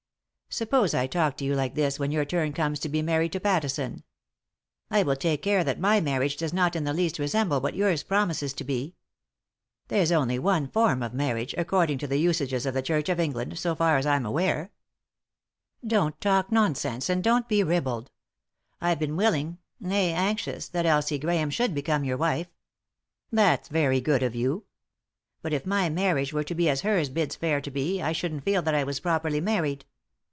" Suppose I talk to you like this when your turn comes to be married to Pattison i "" I will take care that my marriage does not in the least resemble what yours promises to be." " There's only one form of marriage, according to the □sages of the Church of England, so far as I'm aware." " Don't talk nonsense — and don't be ribald. I've been willing, nay anxious, that Elsie Grahams should become your wife " "That's very good of you." " But if my marriage were to be as hers bids fair to be I shouldn't feel that I was properly married."